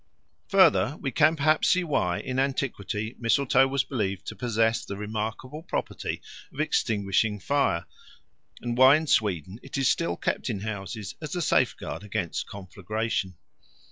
Further, we can perhaps see why in antiquity mistletoe was believed to possess the remarkable property of extinguishing fire, and why in Sweden it is still kept in houses as a safeguard against conflagration.